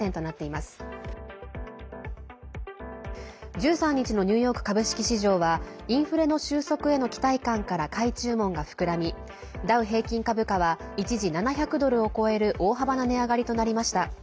１３日のニューヨーク株式市場はインフレの収束への期待感から買い注文が膨らみダウ平均株価は一時７００ドルを超える大幅な値上がりとなりました。